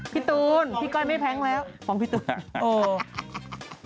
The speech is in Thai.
พี่ตูนพี่ก้อยไม่แพ้งแล้วของพี่ตูน